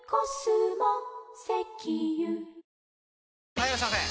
・はいいらっしゃいませ！